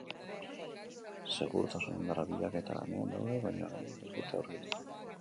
Segurtasun indarrak bilaketa lanetan daude, baina oraindik ez dute aurkitu.